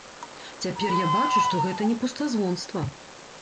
Цяпер я бачу, што гэта не пустазвонства!